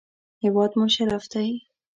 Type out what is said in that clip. هېواد مو شرف دی